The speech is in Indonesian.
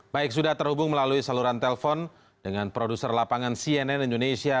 baik sudah terhubung melalui saluran telpon dengan produser lapangan cnn indonesia